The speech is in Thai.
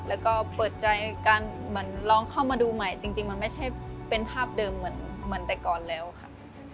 แล้วก็เปิดใจการเหมือนลองเข้ามาดูใหม่จริงมันไม่ใช่เป็นภาพเดิมเหมือนแต่ก่อนแล้วค่ะ